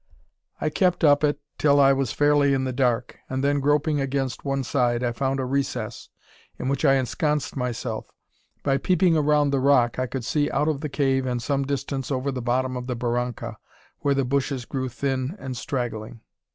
I kept up it till I was fairly "in the dark"; and then groping against one side, I found a recess, in which I ensconced myself. By peeping round the rock, I could see out of the cave and some distance over the bottom of the barranca, where the bushes grew thin and straggling.